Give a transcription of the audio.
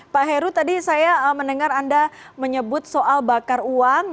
pak heru tadi saya mendengar anda menyebut soal bakar uang